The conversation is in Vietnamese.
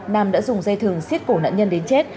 nam đã dùng dây thường xiết cổ nạn nhân đến chết